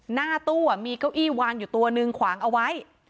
หน้าตู้มีเก้าอี้วางอยู่ตัวนึงขวางเอาไว้